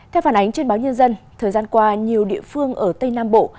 theo phản ánh trên báo nhân dân thời gian qua nhiều địa phương ở tây nam bộ